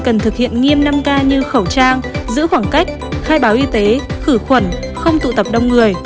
cần thực hiện nghiêm năm k như khẩu trang giữ khoảng cách khai báo y tế khử khuẩn không tụ tập đông người